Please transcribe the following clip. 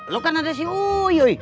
lo kan ada si uyuy